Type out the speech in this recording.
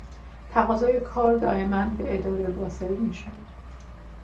تقاضای کار دایما به اداره واصل میشد.